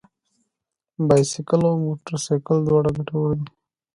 بايسکل او موټر سايکل دواړه ګټور دي.